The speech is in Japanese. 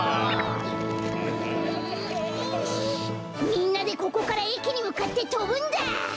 みんなでここからえきにむかってとぶんだ！